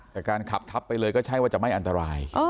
แต่การขับทับไปเลยก็ใช่ว่าจะไม่อันตราย